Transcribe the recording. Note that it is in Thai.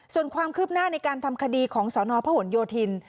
ส่วนความคืบหน้าในการทำคดีของสนพหนโยธิน